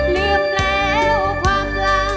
ลืมแล้วความรัง